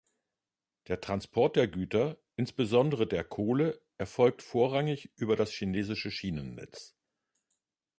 Der Transport der Güter, insbesondere der Kohle, erfolgt vorrangig über das chinesische Schienennetz.